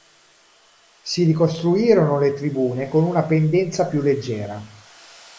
Si ricostruirono le tribune con una pendenza più leggera.